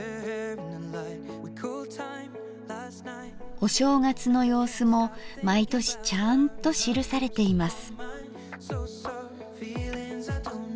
お正月の様子も毎年ちゃんと記されています。